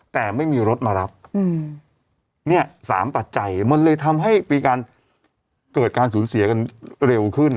แต่ไม่มีรถมารับเนี่ย๓ปัจจัยมันเลยทำให้มีการเกิดการสูญเสียกันเร็วขึ้น